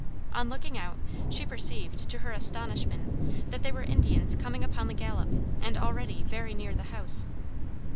On looking out, she perceived, to her astonishment, that they were Indians coming upon the gallop, and already very near the house.